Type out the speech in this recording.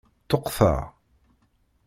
Ṭṭuqteɣ.